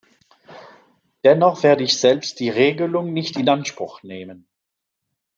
Dennoch werde ich selbst die Regelung nicht in Anspruch nehmen.